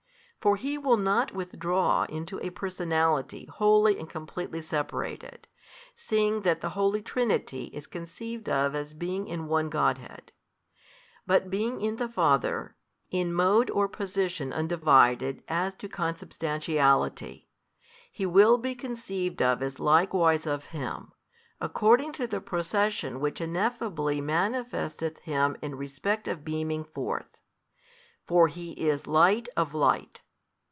For He will not withdraw into a Personality wholly and completely separated, seeing that the Holy Trinity is conceived of as being in One Godhead; but being in the Father, in mode or position undivided as to consubstantiality, He will be conceived of as likewise of Him, according to the Procession which ineffably manifesteth Him in respect of beaming forth. For He is Light of Light.